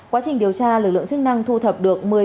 quá trình điều tra lực lượng chức năng thu thập được